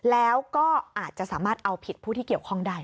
แล้วก็อาจจะสามารถเอาผิดผู้ที่เกี่ยวข้องได้